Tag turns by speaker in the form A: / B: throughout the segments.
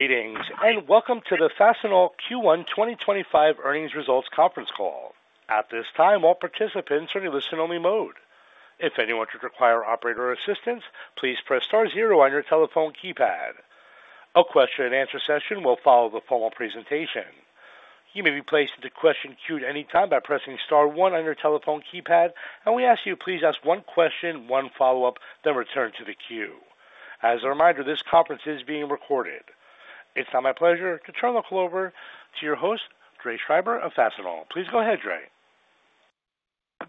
A: Greetings and welcome to the Fastenal Q1 2025 earnings results conference call. At this time, all participants are in listen-only mode. If anyone should require operator assistance, please press star zero on your telephone keypad. A question-and-answer session will follow the formal presentation. You may be placed into question queue at any time by pressing star one on your telephone keypad, and we ask you to please ask one question, one follow-up, then return to the queue. As a reminder, this conference is being recorded. It's now my pleasure to turn the call over to your host, Dre Schreiber of Fastenal. Please go ahead, Dre.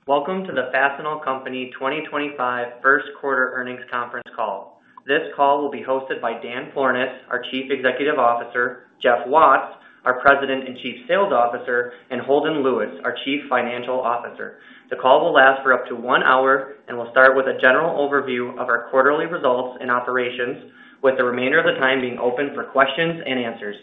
B: Welcome to the Fastenal Company 2025 first quarter earnings conference call. This call will be hosted by Dan Florness, our Chief Executive Officer, Jeff Watts, our President and Chief Sales Officer, and Holden Lewis, our Chief Financial Officer. The call will last for up to one hour and will start with a general overview of our quarterly results and operations, with the remainder of the time being open for questions and answers.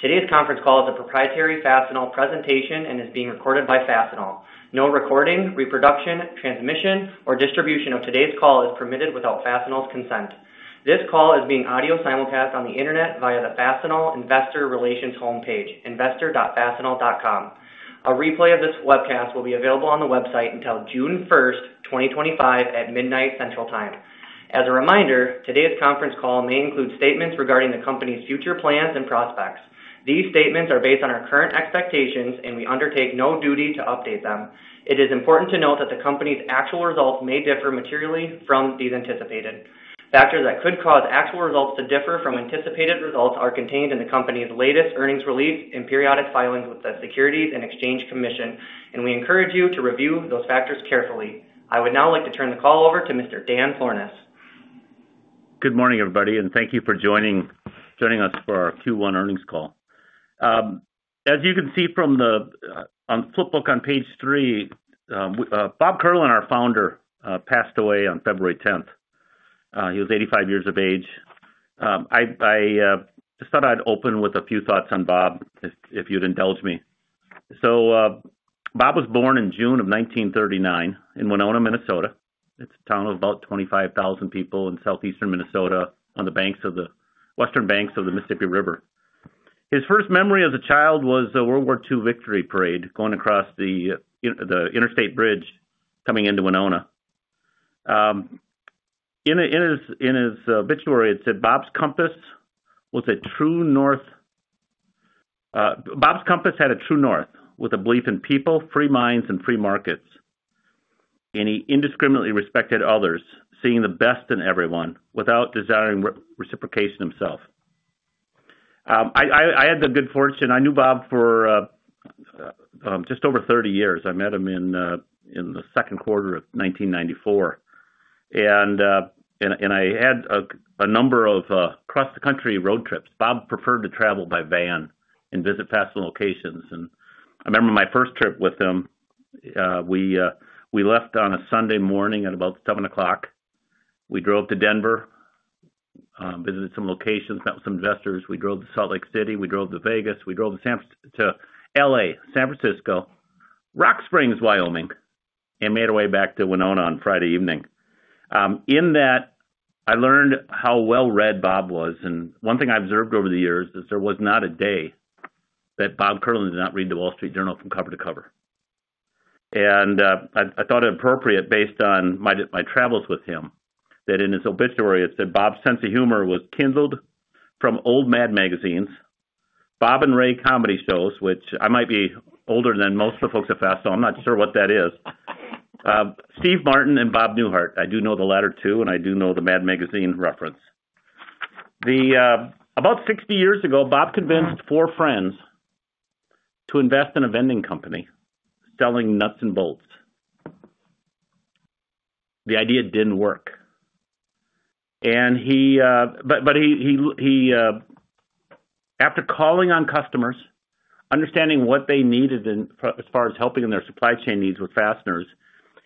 B: Today's conference call is a proprietary Fastenal presentation and is being recorded by Fastenal. No recording, reproduction, transmission, or distribution of today's call is permitted without Fastenal's consent. This call is being audio simulcast on the internet via the Fastenal Investor Relations homepage, investor.fastenal.com. A replay of this webcast will be available on the website until June 1, 2025, at midnight Central Time. As a reminder, today's conference call may include statements regarding the company's future plans and prospects. These statements are based on our current expectations, and we undertake no duty to update them. It is important to note that the company's actual results may differ materially from these anticipated. Factors that could cause actual results to differ from anticipated results are contained in the company's latest earnings release and periodic filings with the Securities and Exchange Commission, and we encourage you to review those factors carefully. I would now like to turn the call over to Mr. Dan Florness.
C: Good morning, everybody, and thank you for joining us for our Q1 earnings call. As you can see from the flipbook on page three, Bob Curlin, our founder, passed away on February 10th. He was 85 years of age. I thought I'd open with a few thoughts on Bob, if you'd indulge me. Bob was born in June of 1939 in Winona, Minnesota. It's a town of about 25,000 people in southeastern Minnesota on the western banks of the Mississippi River. His first memory as a child was a World War II victory parade going across the interstate bridge coming into Winona. In his obituary, it said, "Bob's compass was a true north. Bob's compass had a true north with a belief in people, free minds, and free markets. He indiscriminately respected others, seeing the best in everyone without desiring reciprocation himself. I had the good fortune I knew Bob for just over 30 years. I met him in the second quarter of 1994, and I had a number of cross-the-country road trips. Bob preferred to travel by van and visit Fastenal locations. I remember my first trip with him. We left on a Sunday morning at about 7:00 A.M. We drove to Denver, visited some locations, met with some investors. We drove to Salt Lake City. We drove to Vegas. We drove to Los Angeles, San Francisco, Rock Springs, Wyoming, and made our way back to Winona on Friday evening. In that, I learned how well-read Bob was. One thing I observed over the years is there was not a day that Bob Curlin did not read the Wall Street Journal from cover to cover. I thought it appropriate, based on my travels with him, that in his obituary it said, "Bob's sense of humor was kindled from old Mad Magazines, Bob and Ray comedy shows," which I might be older than most of the folks at Fastenal. I'm not sure what that is. Steve Martin and Bob Newhart. I do know the latter two, and I do know the Mad Magazine reference. About 60 years ago, Bob convinced four friends to invest in a vending company selling nuts and bolts. The idea didn't work. After calling on customers, understanding what they needed as far as helping in their supply chain needs with fasteners,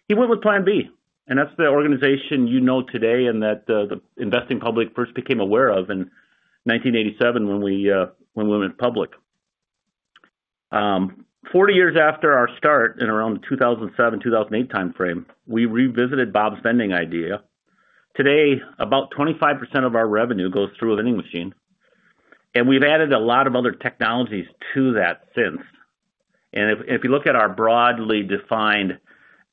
C: he went with Plan B. That's the organization you know today and that the investing public first became aware of in 1987 when we went public. Forty years after our start, in around the 2007, 2008 time frame, we revisited Bob's vending idea. Today, about 25% of our revenue goes through a vending machine. We have added a lot of other technologies to that since. If you look at our broadly defined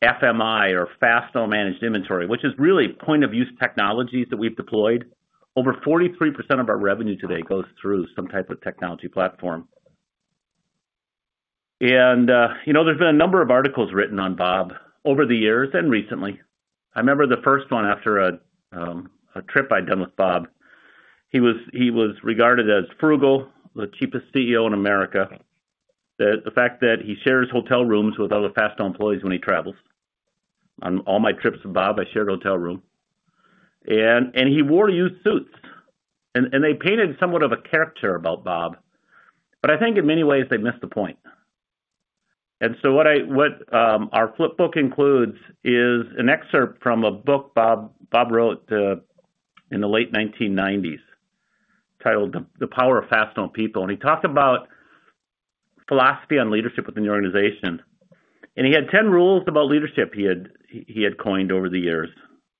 C: FMI or Fastenal Managed Inventory, which is really point-of-use technologies that we have deployed, over 43% of our revenue today goes through some type of technology platform. There have been a number of articles written on Bob over the years and recently. I remember the first one after a trip I had done with Bob. He was regarded as frugal, the cheapest CEO in America, the fact that he shares hotel rooms with other Fastenal employees when he travels. On all my trips with Bob, I shared a hotel room. He wore used suits. They painted somewhat of a character about Bob. I think in many ways they missed the point. What our flipbook includes is an excerpt from a book Bob wrote in the late 1990s titled The Power of Fastenal People. He talked about philosophy on leadership within the organization. He had 10 rules about leadership he had coined over the years.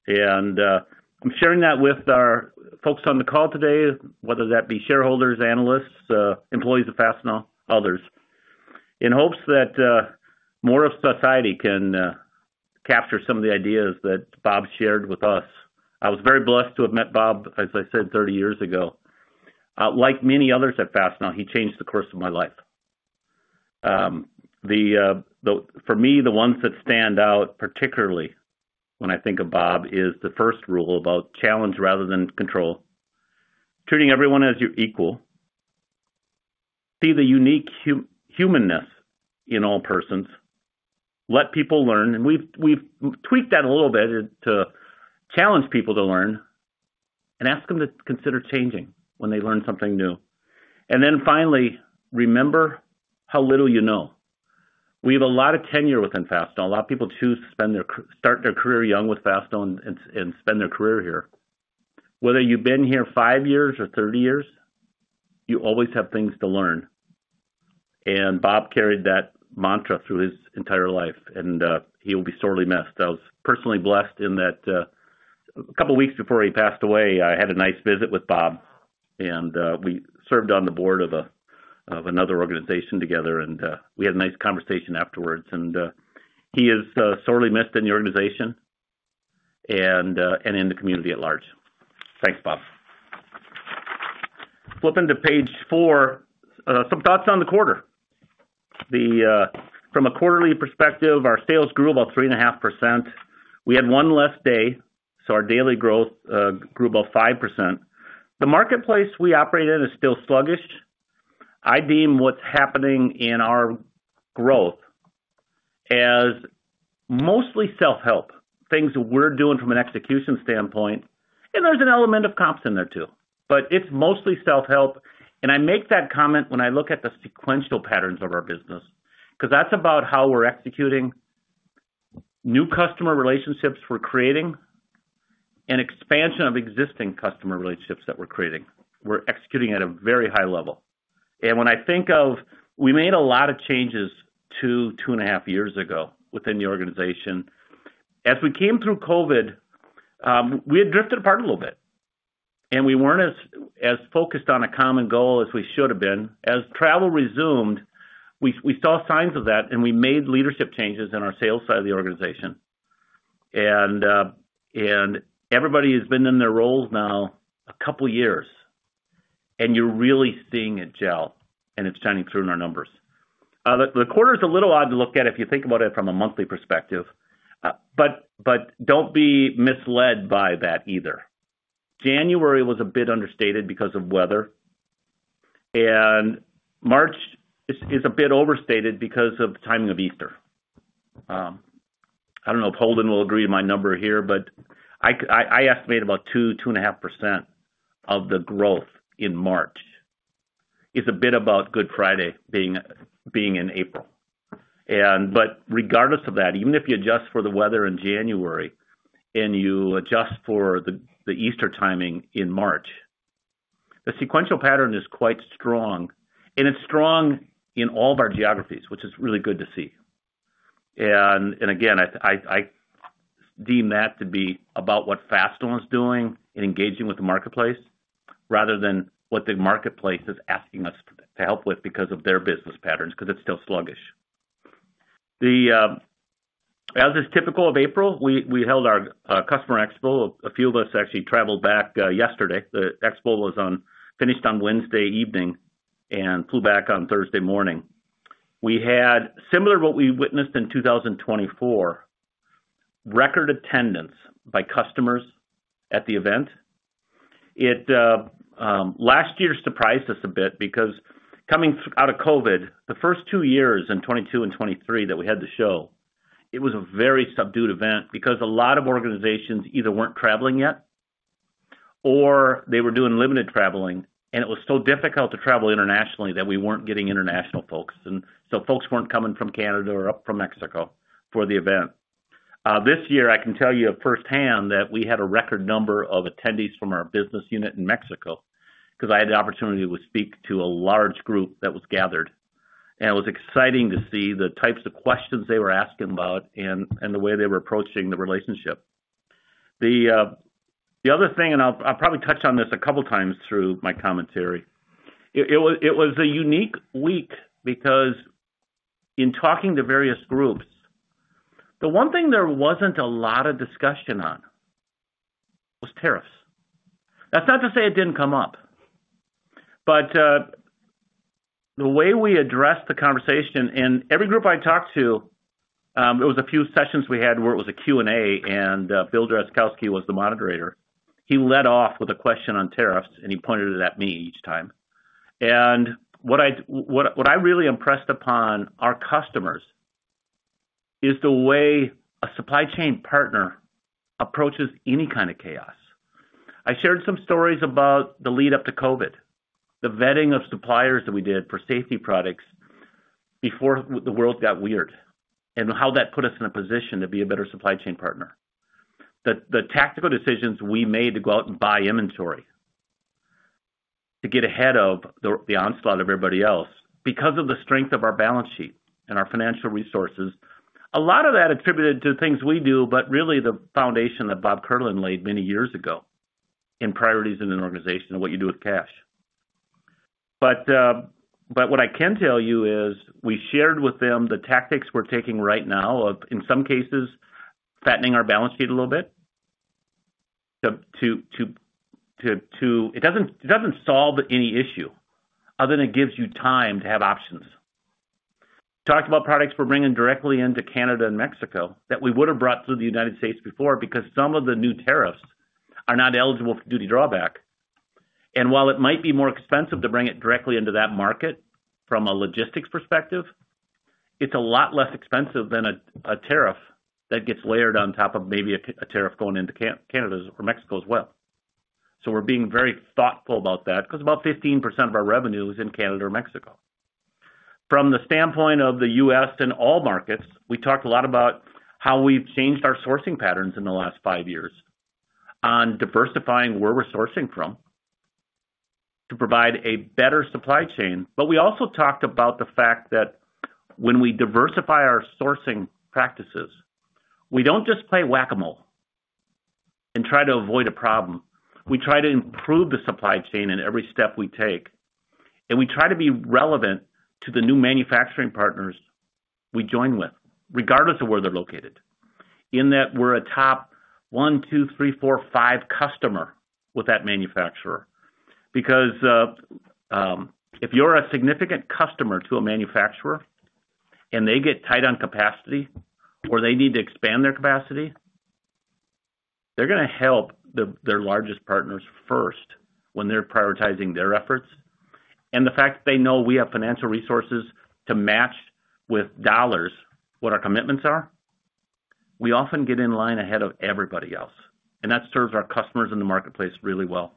C: I am sharing that with our folks on the call today, whether that be shareholders, analysts, employees of Fastenal, others, in hopes that more of society can capture some of the ideas that Bob shared with us. I was very blessed to have met Bob, as I said, 30 years ago. Like many others at Fastenal, he changed the course of my life. For me, the ones that stand out particularly when I think of Bob is the first rule about challenge rather than control, treating everyone as your equal, see the unique humanness in all persons, let people learn. We have tweaked that a little bit to challenge people to learn and ask them to consider changing when they learn something new. Finally, remember how little you know. We have a lot of tenure within Fastenal. A lot of people choose to start their career young with Fastenal and spend their career here. Whether you have been here five years or 30 years, you always have things to learn. Bob carried that mantra through his entire life, and he will be sorely missed. I was personally blessed in that a couple of weeks before he passed away, I had a nice visit with Bob. We served on the board of another organization together, and we had a nice conversation afterwards. He is sorely missed in the organization and in the community at large. Thanks, Bob. Flipping to page four, some thoughts on the quarter. From a quarterly perspective, our sales grew about 3.5%. We had one less day, so our daily growth grew about 5%. The marketplace we operate in is still sluggish. I deem what's happening in our growth as mostly self-help, things that we're doing from an execution standpoint. There's an element of comps in there too. It's mostly self-help. I make that comment when I look at the sequential patterns of our business because that's about how we're executing, new customer relationships we're creating, and expansion of existing customer relationships that we're creating. We're executing at a very high level. When I think of we made a lot of changes two and a half years ago within the organization. As we came through COVID, we had drifted apart a little bit. We were not as focused on a common goal as we should have been. As travel resumed, we saw signs of that, and we made leadership changes in our sales side of the organization. Everybody has been in their roles now a couple of years, and you are really seeing it gel, and it is shining through in our numbers. The quarter is a little odd to look at if you think about it from a monthly perspective. Do not be misled by that either. January was a bit understated because of weather. March is a bit overstated because of the timing of Easter. I don't know if Holden will agree to my number here, but I estimate about 2-2.5% of the growth in March is a bit about Good Friday being in April. Regardless of that, even if you adjust for the weather in January and you adjust for the Easter timing in March, the sequential pattern is quite strong. It is strong in all of our geographies, which is really good to see. Again, I deem that to be about what Fastenal is doing in engaging with the marketplace rather than what the marketplace is asking us to help with because of their business patterns because it is still sluggish. As is typical of April, we held our customer expo. A few of us actually traveled back yesterday. The expo was finished on Wednesday evening and flew back on Thursday morning. We had similar to what we witnessed in 2024, record attendance by customers at the event. Last year surprised us a bit because coming out of COVID, the first two years in 2022 and 2023 that we had the show, it was a very subdued event because a lot of organizations either were not traveling yet or they were doing limited traveling, and it was so difficult to travel internationally that we were not getting international folks. Folks were not coming from Canada or from Mexico for the event. This year, I can tell you firsthand that we had a record number of attendees from our business unit in Mexico because I had the opportunity to speak to a large group that was gathered. It was exciting to see the types of questions they were asking about and the way they were approaching the relationship. The other thing, and I'll probably touch on this a couple of times through my commentary, it was a unique week because in talking to various groups, the one thing there was not a lot of discussion on was tariffs. That is not to say it did not come up. The way we addressed the conversation in every group I talked to, it was a few sessions we had where it was a Q&A, and Bill Drazkowski was the moderator. He led off with a question on tariffs, and he pointed it at me each time. What I really impressed upon our customers is the way a supply chain partner approaches any kind of chaos. I shared some stories about the lead-up to COVID, the vetting of suppliers that we did for safety products before the world got weird, and how that put us in a position to be a better supply chain partner. The tactical decisions we made to go out and buy inventory to get ahead of the onslaught of everybody else because of the strength of our balance sheet and our financial resources, a lot of that attributed to things we do, but really the foundation that Bob Curlin laid many years ago in priorities in an organization and what you do with cash. What I can tell you is we shared with them the tactics we're taking right now of, in some cases, fattening our balance sheet a little bit. It does not solve any issue other than it gives you time to have options. We talked about products we're bringing directly into Canada and Mexico that we would have brought through the U.S. before because some of the new tariffs are not eligible for duty drawback. While it might be more expensive to bring it directly into that market from a logistics perspective, it's a lot less expensive than a tariff that gets layered on top of maybe a tariff going into Canada or Mexico as well. We are being very thoughtful about that because about 15% of our revenue is in Canada or Mexico. From the standpoint of the U.S. and all markets, we talked a lot about how we've changed our sourcing patterns in the last five years on diversifying where we're sourcing from to provide a better supply chain. We also talked about the fact that when we diversify our sourcing practices, we do not just play whack-a-mole and try to avoid a problem. We try to improve the supply chain in every step we take. We try to be relevant to the new manufacturing partners we join with, regardless of where they are located, in that we are a top one, two, three, four, five customer with that manufacturer. Because if you are a significant customer to a manufacturer and they get tight on capacity or they need to expand their capacity, they are going to help their largest partners first when they are prioritizing their efforts. The fact that they know we have financial resources to match with dollars what our commitments are, we often get in line ahead of everybody else. That serves our customers in the marketplace really well.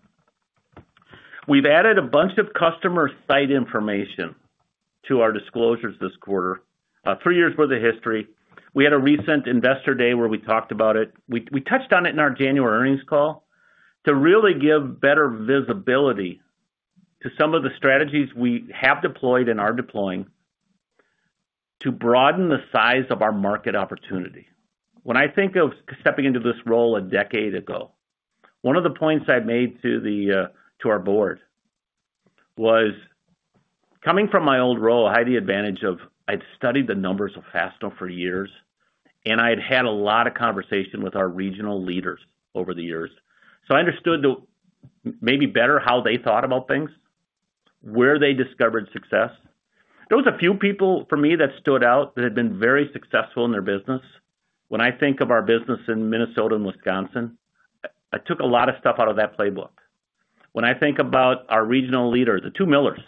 C: We've added a bunch of customer site information to our disclosures this quarter, three years' worth of history. We had a recent investor day where we talked about it. We touched on it in our January earnings call to really give better visibility to some of the strategies we have deployed and are deploying to broaden the size of our market opportunity. When I think of stepping into this role a decade ago, one of the points I made to our board was coming from my old role, I had the advantage of I'd studied the numbers of Fastenal for years, and I had had a lot of conversation with our regional leaders over the years. I understood maybe better how they thought about things, where they discovered success. There were a few people for me that stood out that had been very successful in their business. When I think of our business in Minnesota and Wisconsin, I took a lot of stuff out of that playbook. When I think about our regional leaders, the two Millers,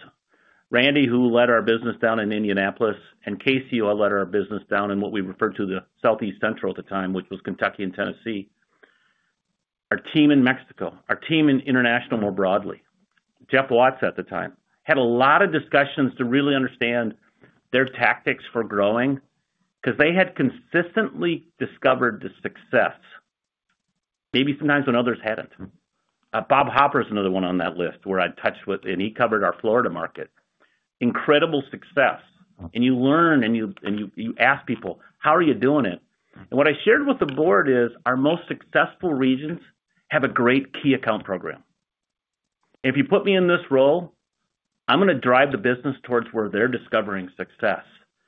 C: Randy, who led our business down in Indianapolis, and Casey, who led our business down in what we referred to as the Southeast Central at the time, which was Kentucky and Tennessee, our team in Mexico, our team in international more broadly, Jeff Watts at the time, had a lot of discussions to really understand their tactics for growing because they had consistently discovered the success maybe sometimes when others had not. Bob Hopper is another one on that list where I touched with, and he covered our Florida market. Incredible success. You learn, and you ask people, "How are you doing it?" What I shared with the board is our most successful regions have a great key account program. If you put me in this role, I'm going to drive the business towards where they're discovering success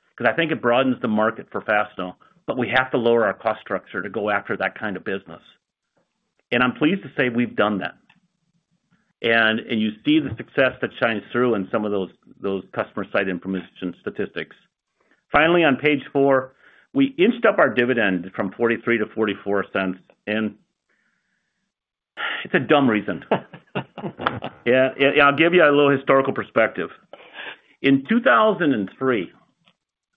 C: because I think it broadens the market for Fastenal, but we have to lower our cost structure to go after that kind of business. I'm pleased to say we've done that. You see the success that shines through in some of those customer site information statistics. Finally, on page four, we inched up our dividend from $0.43 to $0.44. It's a dumb reason. I'll give you a little historical perspective. In 2003,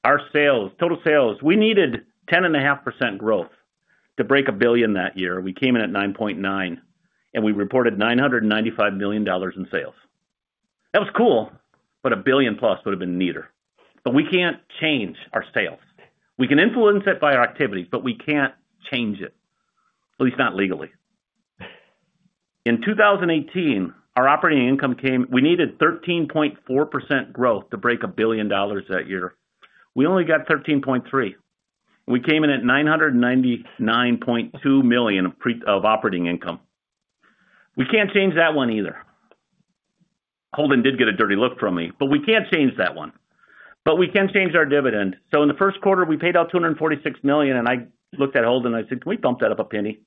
C: our total sales, we needed 10.5% growth to break a billion that year. We came in at 9.9%, and we reported $995 million in sales. That was cool, but a billion plus would have been neater. We can't change our sales. We can influence it by our activities, but we can't change it, at least not legally. In 2018, our operating income came we needed 13.4% growth to break a billion dollars that year. We only got 13.3%. We came in at $999.2 million of operating income. We can't change that one either. Holden did get a dirty look from me, but we can't change that one. We can change our dividend. In the first quarter, we paid out $246 million, and I looked at Holden and I said, "Can we bump that up a penny?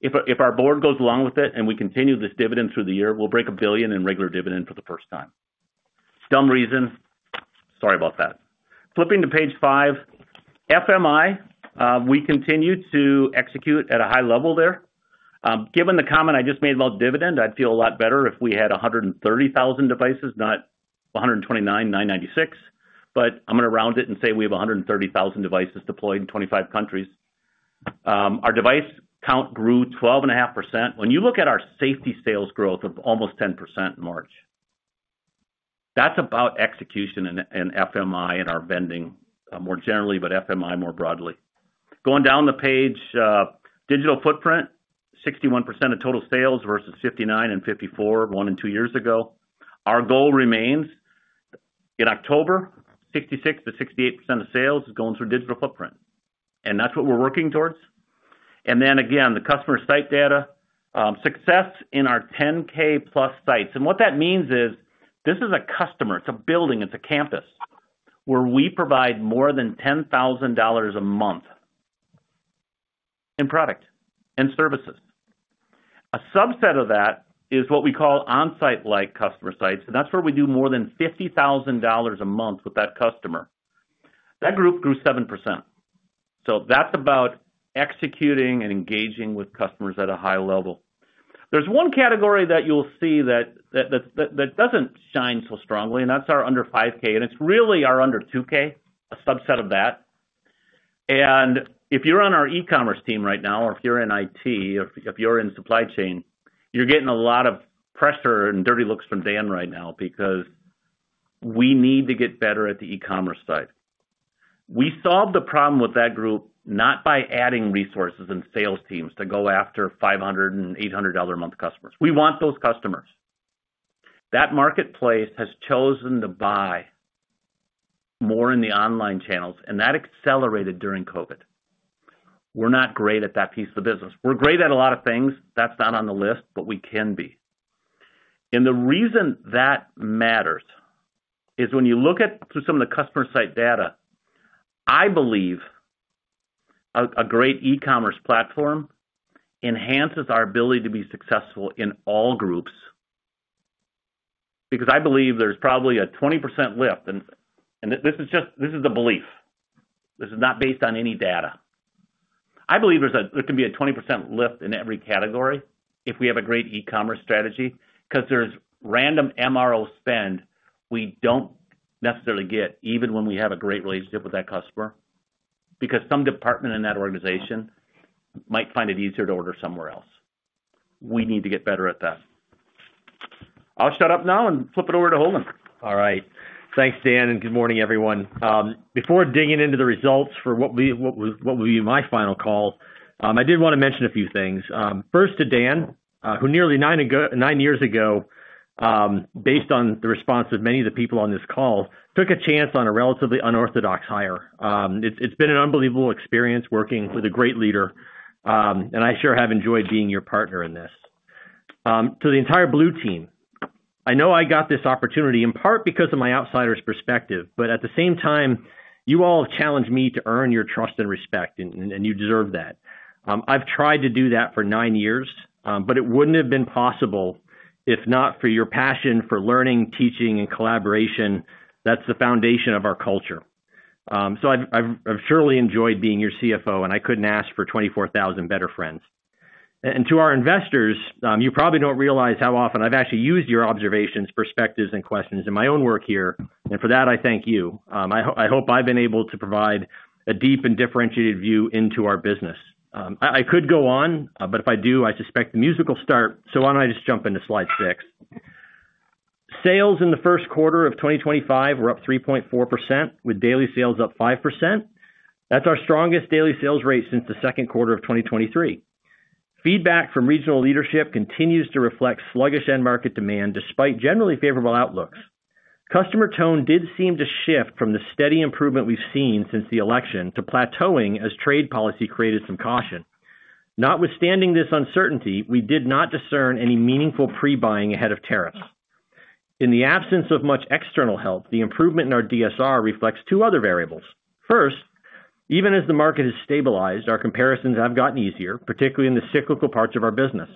C: If our board goes along with it and we continue this dividend through the year, we'll break a billion in regular dividend for the first time." Dumb reason. Sorry about that. Flipping to page five, FMI, we continue to execute at a high level there. Given the comment I just made about dividend, I'd feel a lot better if we had 130,000 devices, not 129,996. I'm going to round it and say we have 130,000 devices deployed in 25 countries. Our device count grew 12.5%. When you look at our safety sales growth of almost 10% in March, that's about execution in FMI and our vending more generally, but FMI more broadly. Going down the page, digital footprint, 61% of total sales versus 59% and 54% one and two years ago. Our goal remains in October, 66%-68% of sales is going through digital footprint. That's what we're working towards. Again, the customer site data, success in our 10K plus sites. What that means is this is a customer. It's a building. It's a campus where we provide more than $10,000 a month in product and services. A subset of that is what we call on-site-like customer sites. That is where we do more than $50,000 a month with that customer. That group grew 7%. That is about executing and engaging with customers at a high level. There is one category that you will see that does not shine so strongly, and that is our under 5K. It is really our under 2K, a subset of that. If you are on our e-commerce team right now, or if you are in IT, or if you are in supply chain, you are getting a lot of pressure and dirty looks from Dan right now because we need to get better at the e-commerce side. We solved the problem with that group not by adding resources and sales teams to go after $500 and $800 a month customers. We want those customers. That marketplace has chosen to buy more in the online channels, and that accelerated during COVID. We're not great at that piece of the business. We're great at a lot of things. That's not on the list, but we can be. The reason that matters is when you look at some of the customer site data, I believe a great e-commerce platform enhances our ability to be successful in all groups because I believe there's probably a 20% lift. This is the belief. This is not based on any data. I believe there can be a 20% lift in every category if we have a great e-commerce strategy because there's random MRO spend we don't necessarily get even when we have a great relationship with that customer because some department in that organization might find it easier to order somewhere else. We need to get better at that. I'll shut up now and flip it over to Holden.
D: All right. Thanks, Dan. Good morning, everyone. Before digging into the results for what will be my final call, I did want to mention a few things. First, to Dan, who nearly nine years ago, based on the response of many of the people on this call, took a chance on a relatively unorthodox hire. It's been an unbelievable experience working with a great leader, and I sure have enjoyed being your partner in this. To the entire Blue team, I know I got this opportunity in part because of my outsider's perspective, but at the same time, you all challenged me to earn your trust and respect, and you deserve that. I've tried to do that for nine years, but it wouldn't have been possible if not for your passion for learning, teaching, and collaboration. That's the foundation of our culture. I've surely enjoyed being your CFO, and I couldn't ask for 24,000 better friends. To our investors, you probably don't realize how often I've actually used your observations, perspectives, and questions in my own work here. For that, I thank you. I hope I've been able to provide a deep and differentiated view into our business. I could go on, but if I do, I suspect the music will start. Why don't I just jump into slide six? Sales in the first quarter of 2025 were up 3.4%, with daily sales up 5%. That's our strongest daily sales rate since the second quarter of 2023. Feedback from regional leadership continues to reflect sluggish end market demand despite generally favorable outlooks. Customer tone did seem to shift from the steady improvement we've seen since the election to plateauing as trade policy created some caution. Notwithstanding this uncertainty, we did not discern any meaningful pre-buying ahead of tariffs. In the absence of much external help, the improvement in our DSR reflects two other variables. First, even as the market has stabilized, our comparisons have gotten easier, particularly in the cyclical parts of our business.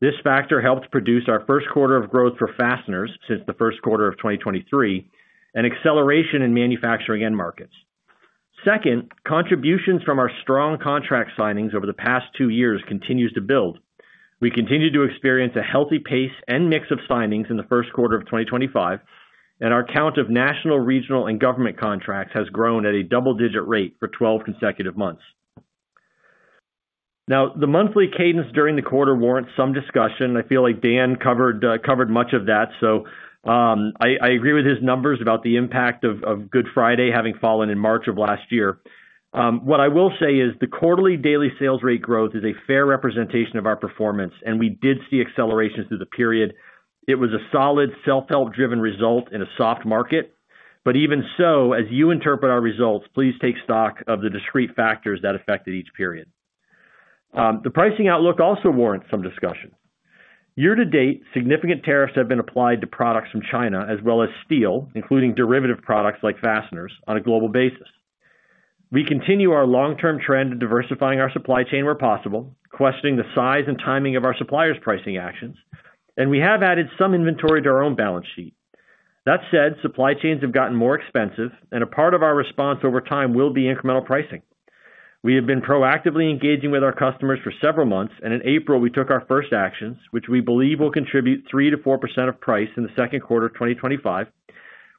D: This factor helped produce our first quarter of growth for fasteners since the first quarter of 2023 and acceleration in manufacturing end markets. Second, contributions from our strong contract signings over the past two years continues to build. We continue to experience a healthy pace and mix of signings in the first quarter of 2025, and our count of national, regional, and government contracts has grown at a double-digit rate for 12 consecutive months. Now, the monthly cadence during the quarter warrants some discussion. I feel like Dan covered much of that. I agree with his numbers about the impact of Good Friday having fallen in March of last year. What I will say is the quarterly daily sales rate growth is a fair representation of our performance, and we did see accelerations through the period. It was a solid self-help-driven result in a soft market. Even so, as you interpret our results, please take stock of the discrete factors that affected each period. The pricing outlook also warrants some discussion. Year to date, significant tariffs have been applied to products from China as well as steel, including derivative products like fasteners, on a global basis. We continue our long-term trend of diversifying our supply chain where possible, questioning the size and timing of our suppliers' pricing actions, and we have added some inventory to our own balance sheet. That said, supply chains have gotten more expensive, and a part of our response over time will be incremental pricing. We have been proactively engaging with our customers for several months, and in April, we took our first actions, which we believe will contribute 3-4% of price in the second quarter of 2025,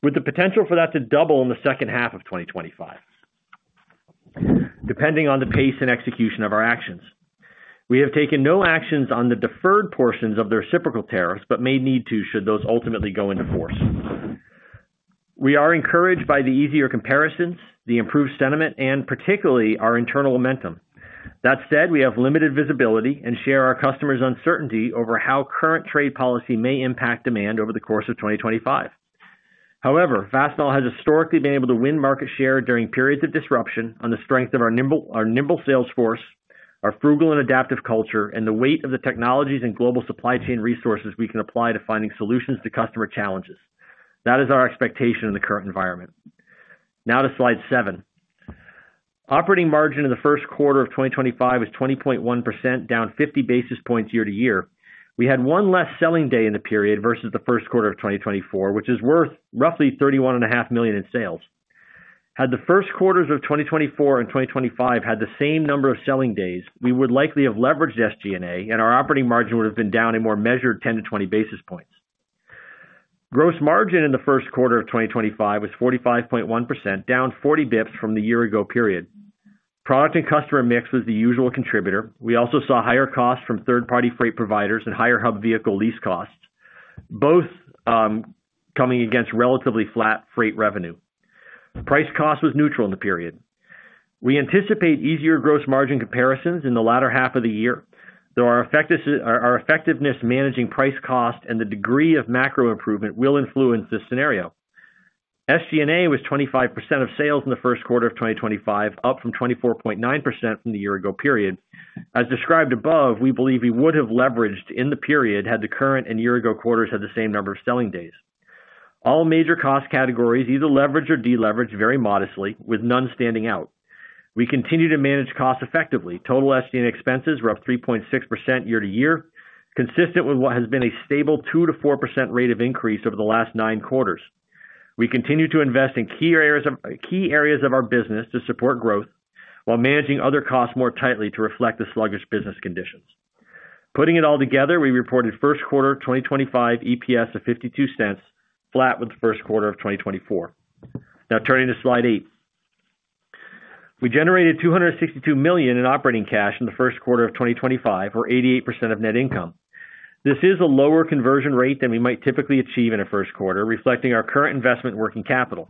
D: with the potential for that to double in the second half of 2025, depending on the pace and execution of our actions. We have taken no actions on the deferred portions of the reciprocal tariffs but may need to should those ultimately go into force. We are encouraged by the easier comparisons, the improved sentiment, and particularly our internal momentum. That said, we have limited visibility and share our customers' uncertainty over how current trade policy may impact demand over the course of 2025. However, Fastenal has historically been able to win market share during periods of disruption on the strength of our nimble sales force, our frugal and adaptive culture, and the weight of the technologies and global supply chain resources we can apply to finding solutions to customer challenges. That is our expectation in the current environment. Now to slide seven. Operating margin in the first quarter of 2025 was 20.1%, down 50 basis points year to year. We had one less selling day in the period versus the first quarter of 2024, which is worth roughly $31.5 million in sales. Had the first quarters of 2024 and 2025 had the same number of selling days, we would likely have leveraged SG&A, and our operating margin would have been down a more measured 10-20 basis points. Gross margin in the first quarter of 2025 was 45.1%, down 40 basis points from the year-ago period. Product and customer mix was the usual contributor. We also saw higher costs from third-party freight providers and higher hub vehicle lease costs, both coming against relatively flat freight revenue. Price cost was neutral in the period. We anticipate easier gross margin comparisons in the latter half of the year. Though our effectiveness managing price cost and the degree of macro improvement will influence this scenario, SG&A was 25% of sales in the first quarter of 2025, up from 24.9% from the year-ago period. As described above, we believe we would have leveraged in the period had the current and year-ago quarters had the same number of selling days. All major cost categories either leveraged or deleveraged very modestly, with none standing out. We continue to manage costs effectively. Total SG&A expenses were up 3.6% year to year, consistent with what has been a stable 2-4% rate of increase over the last nine quarters. We continue to invest in key areas of our business to support growth while managing other costs more tightly to reflect the sluggish business conditions. Putting it all together, we reported first quarter 2025 EPS of $0.52, flat with the first quarter of 2024. Now turning to slide eight. We generated $262 million in operating cash in the first quarter of 2025, or 88% of net income. This is a lower conversion rate than we might typically achieve in a first quarter, reflecting our current investment working capital.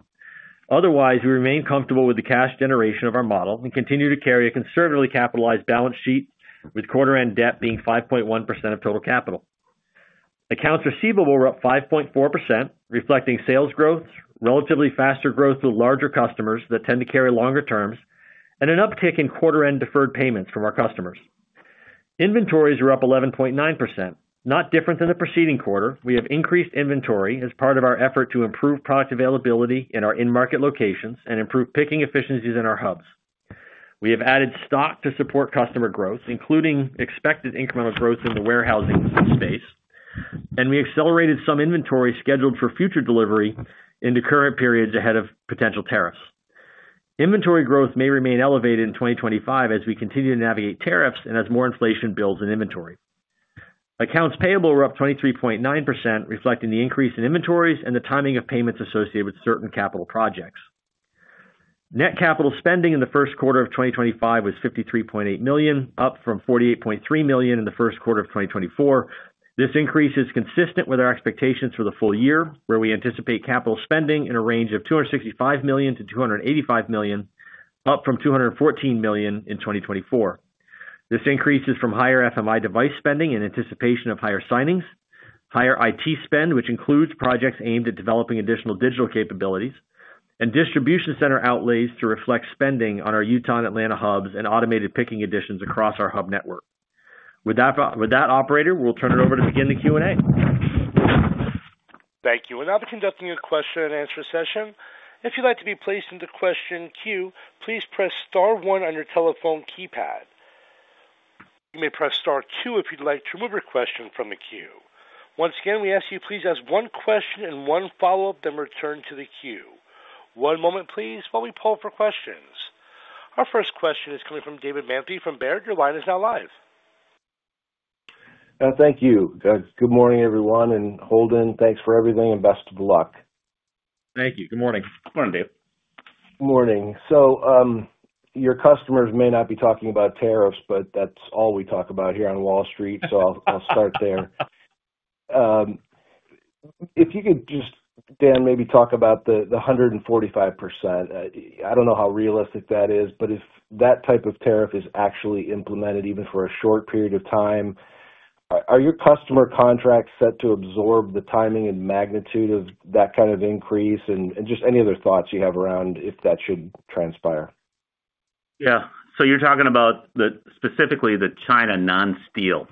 D: Otherwise, we remain comfortable with the cash generation of our model and continue to carry a conservatively capitalized balance sheet, with quarter-end debt being 5.1% of total capital. Accounts receivable were up 5.4%, reflecting sales growth, relatively faster growth with larger customers that tend to carry longer terms, and an uptick in quarter-end deferred payments from our customers. Inventories were up 11.9%. Not different than the preceding quarter, we have increased inventory as part of our effort to improve product availability in our in-market locations and improve picking efficiencies in our hubs. We have added stock to support customer growth, including expected incremental growth in the warehousing space, and we accelerated some inventory scheduled for future delivery into current periods ahead of potential tariffs. Inventory growth may remain elevated in 2025 as we continue to navigate tariffs and as more inflation builds in inventory. Accounts payable were up 23.9%, reflecting the increase in inventories and the timing of payments associated with certain capital projects. Net capital spending in the first quarter of 2025 was $53.8 million, up from $48.3 million in the first quarter of 2024. This increase is consistent with our expectations for the full year, where we anticipate capital spending in a range of $265 million-$285 million, up from $214 million in 2024. This increase is from higher FMI device spending in anticipation of higher signings, higher IT spend, which includes projects aimed at developing additional digital capabilities, and distribution center outlays to reflect spending on our Utah and Atlanta hubs and automated picking additions across our hub network. With that, operator, we'll turn it over to begin the Q&A.
A: Thank you. Now to conducting a question and answer session. If you'd like to be placed into question queue, please press star one on your telephone keypad. You may press star two if you'd like to remove your question from the queue. Once again, we ask you please ask one question and one follow-up, then return to the queue. One moment, please, while we pull up for questions. Our first question is coming from David Manthey from Baird. Your line is now live.
E: Thank you. Good morning, everyone. And Holden, thanks for everything and best of luck.
C: Thank you. Good morning. Good morning,
E: David. Good morning. Your customers may not be talking about tariffs, but that's all we talk about here on Wall Street, so I'll start there. If you could just, Dan, maybe talk about the 145%. I don't know how realistic that is, but if that type of tariff is actually implemented even for a short period of time, are your customer contracts set to absorb the timing and magnitude of that kind of increase? Any other thoughts you have around if that should transpire?
C: Yeah. You're talking about specifically the China non-steel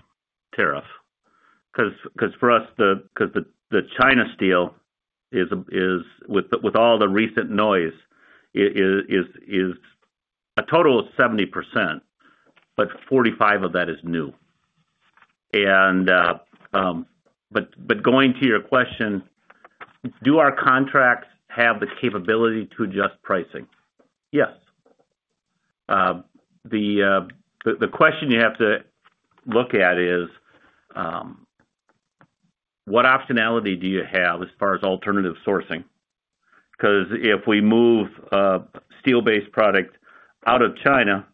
C: tariff because for us, the China steel, with all the recent noise, is a total of 70%, but 45 of that is new. Going to your question, do our contracts have the capability to adjust pricing? Yes. The question you have to look at is what optionality do you have as far as alternative sourcing? If we move steel-based product out of China,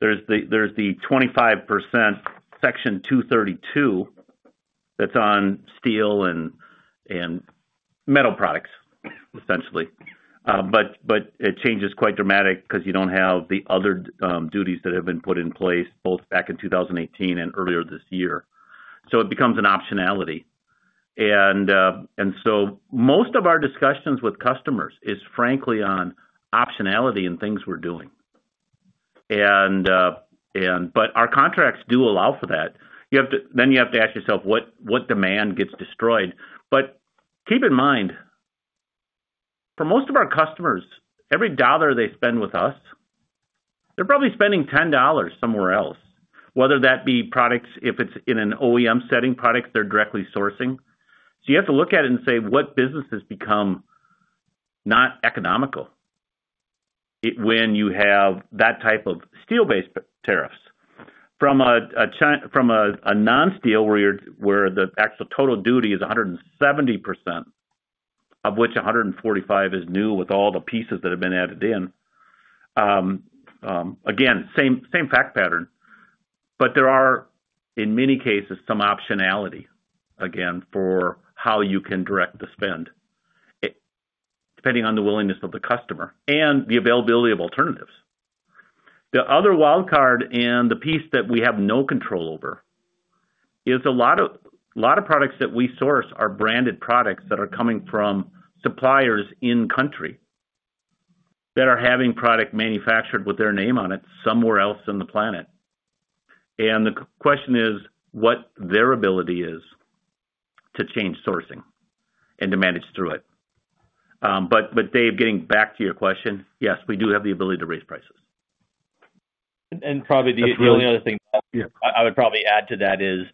C: there's the 25% section 232 that's on steel and metal products, essentially. It changes quite dramatic because you do not have the other duties that have been put in place both back in 2018 and earlier this year. It becomes an optionality. Most of our discussions with customers is, frankly, on optionality and things we are doing. Our contracts do allow for that. You have to ask yourself what demand gets destroyed. Keep in mind, for most of our customers, every dollar they spend with us, they are probably spending $10 somewhere else, whether that be products if it is in an OEM setting, products they are directly sourcing. You have to look at it and say, what businesses become not economical when you have that type of steel-based tariffs? From a non-steel where the actual total duty is 170%, of which 145% is new with all the pieces that have been added in, again, same fact pattern. There are, in many cases, some optionality, again, for how you can direct the spend, depending on the willingness of the customer and the availability of alternatives. The other wildcard and the piece that we have no control over is a lot of products that we source are branded products that are coming from suppliers in country that are having product manufactured with their name on it somewhere else on the planet. The question is what their ability is to change sourcing and to manage through it. Dave, getting back to your question, yes, we do have the ability to raise prices. Probably the only other thing I would probably add to that is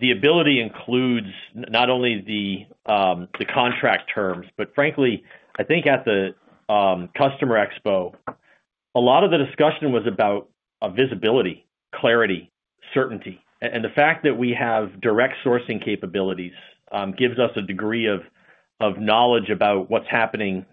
C: the ability includes not only the contract terms, but frankly, I think at the customer expo, a lot of the discussion was about visibility, clarity, certainty. The fact that we have direct sourcing capabilities gives us a degree of knowledge about what's happening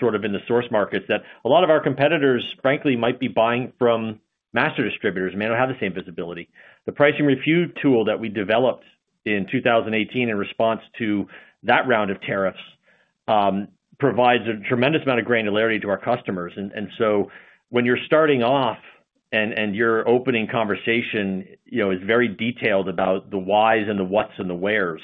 C: sort of in the source markets that a lot of our competitors, frankly, might be buying from master distributors and may not have the same visibility. The pricing review tool that we developed in 2018 in response to that round of tariffs provides a tremendous amount of granularity to our customers. When you're starting off and your opening conversation is very detailed about the whys and the whats and the wheres,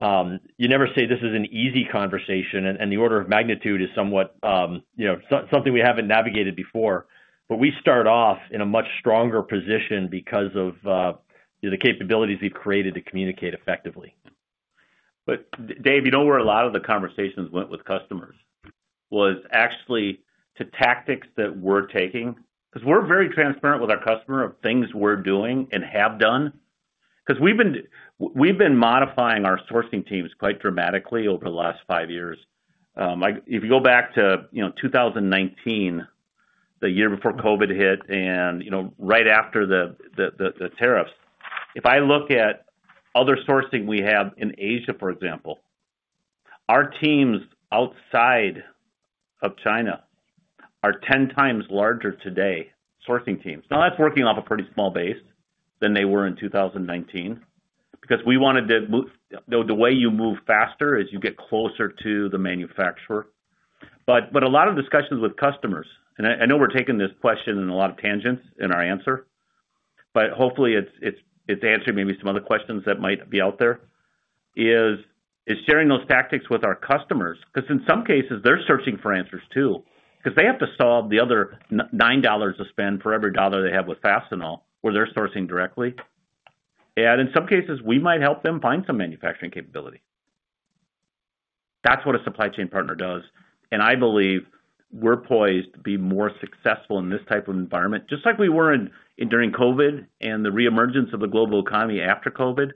C: you never say this is an easy conversation, and the order of magnitude is somewhat something we haven't navigated before. We start off in a much stronger position because of the capabilities we've created to communicate effectively. Dave, you know where a lot of the conversations went with customers was actually to tactics that we're taking because we're very transparent with our customer of things we're doing and have done. Because we've been modifying our sourcing teams quite dramatically over the last five years. If you go back to 2019, the year before COVID hit and right after the tariffs, if I look at other sourcing we have in Asia, for example, our teams outside of China are 10 times larger today, sourcing teams. Now, that's working off a pretty small base than they were in 2019 because we wanted to the way you move faster is you get closer to the manufacturer. A lot of discussions with customers—and I know we're taking this question in a lot of tangents in our answer, but hopefully, it's answering maybe some other questions that might be out there—is sharing those tactics with our customers because in some cases, they're searching for answers too because they have to solve the other $9 of spend for every dollar they have with Fastenal where they're sourcing directly. In some cases, we might help them find some manufacturing capability. That's what a supply chain partner does. I believe we're poised to be more successful in this type of environment, just like we were during COVID and the reemergence of the global economy after COVID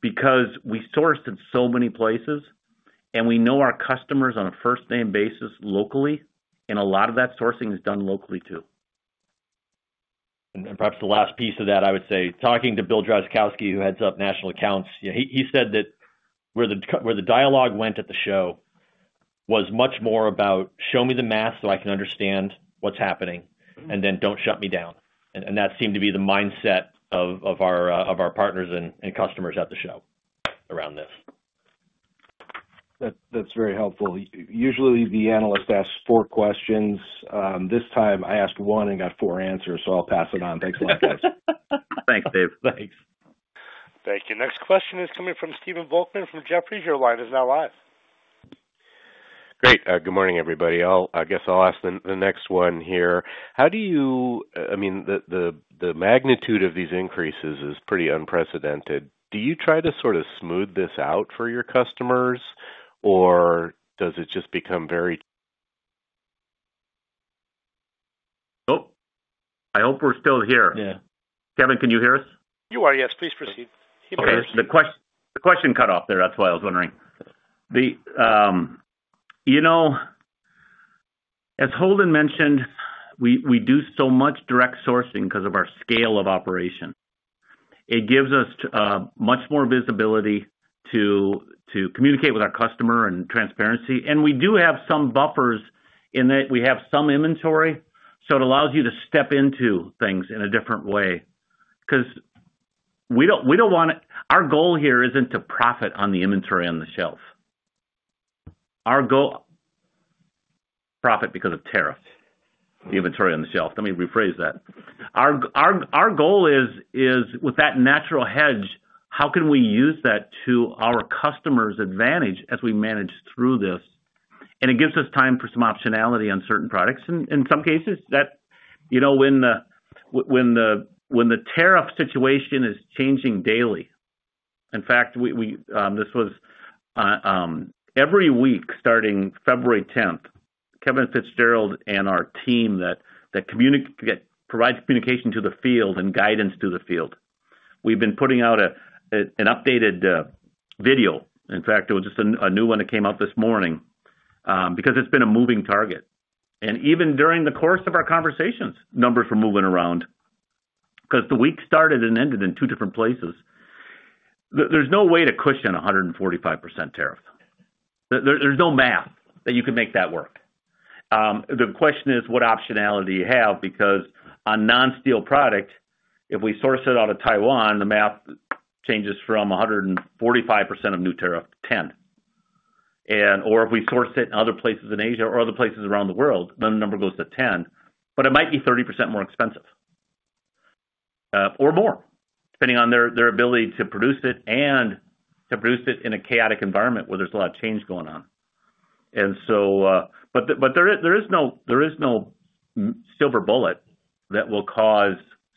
C: because we sourced in so many places, and we know our customers on a first-name basis locally, and a lot of that sourcing is done locally too.
D: Perhaps the last piece of that, I would say, talking to Bill Drazkowski, who heads up national accounts, he said that where the dialogue went at the show was much more about, "Show me the math so I can understand what's happening, and then don't shut me down." That seemed to be the mindset of our partners and customers at the show around this.
E: That's very helpful. Usually, the analyst asks four questions. This time, I asked one and got four answers, so I'll pass it on. Thanks a lot, guys. Thanks, Dave. Thanks.
A: Thank you. Next question is coming from Stephen Volkmann from Jefferies. Your line is now live.
F: Great. Good morning, everybody. I guess I'll ask the next one here. How do you—I mean, the magnitude of these increases is pretty unprecedented. Do you try to sort of smooth this out for your customers, or does it just become very— Nope. I hope we're still here. Kevin, can you hear us? You are, yes. Please proceed. He may hear us.
C: The question cut off there. That is why I was wondering. As Holden mentioned, we do so much direct sourcing because of our scale of operation. It gives us much more visibility to communicate with our customer and transparency. We do have some buffers in that we have some inventory, so it allows you to step into things in a different way because we do not want to—our goal here is not to profit on the inventory on the shelf. Our goal—profit because of tariffs, the inventory on the shelf. Let me rephrase that. Our goal is, with that natural hedge, how can we use that to our customer's advantage as we manage through this? It gives us time for some optionality on certain products. In some cases, when the tariff situation is changing daily—in fact, this was every week starting February 10, Kevin Fitzgerald and our team that provides communication to the field and guidance to the field. We've been putting out an updated video. In fact, it was just a new one that came out this morning because it's been a moving target. Even during the course of our conversations, numbers were moving around because the week started and ended in two different places. There's no way to cushion 145% tariff. There's no math that you can make that work. The question is, what optionality do you have? Because on non-steel product, if we source it out of Taiwan, the math changes from 145% of new tariff to 10%. Or if we source it in other places in Asia or other places around the world, then the number goes to 10%. It might be 30% more expensive or more, depending on their ability to produce it and to produce it in a chaotic environment where there is a lot of change going on. There is no silver bullet that will cause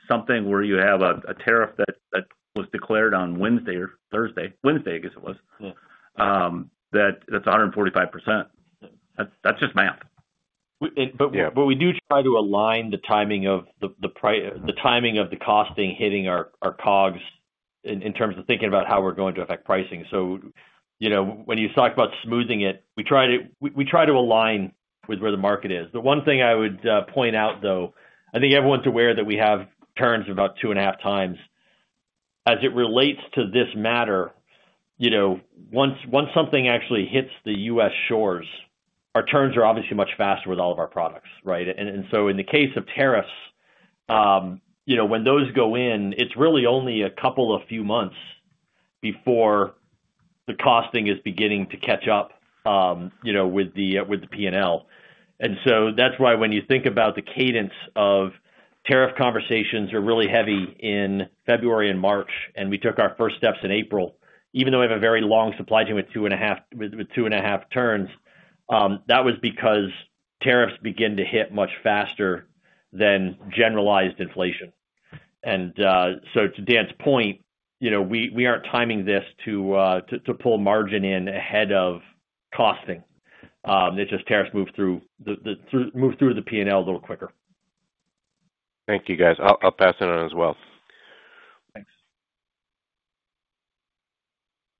C: something where you have a tariff that was declared on Wednesday or Thursday—Wednesday, I guess it was—that is 145%. That is just math.
D: We do try to align the timing of the costing hitting our cogs in terms of thinking about how we are going to affect pricing. When you talk about smoothing it, we try to align with where the market is. The one thing I would point out, though, I think everyone's aware that we have turns of about two and a half times. As it relates to this matter, once something actually hits the U.S. shores, our turns are obviously much faster with all of our products, right? In the case of tariffs, when those go in, it's really only a couple of few months before the costing is beginning to catch up with the P&L. That's why when you think about the cadence of tariff conversations, they're really heavy in February and March, and we took our first steps in April. Even though we have a very long supply chain with two and a half turns, that was because tariffs begin to hit much faster than generalized inflation. To Dan's point, we aren't timing this to pull margin in ahead of costing. It's just tariffs move through the P&L a little quicker.
F: Thank you, guys. I'll pass it on as well. Thanks.